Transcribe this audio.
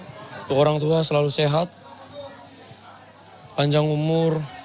untuk orang tua selalu sehat panjang umur